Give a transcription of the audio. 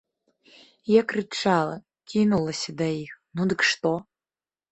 Я крычала, кінулася да іх, ну дык што?